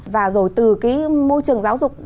và rồi từ cái môi trường giáo dục